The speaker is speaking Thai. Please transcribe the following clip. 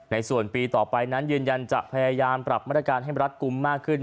ในส่วนปีต่อไปนั้นยืนยันจะพยายามปรับมาตรการให้รัฐกลุ่มมากขึ้น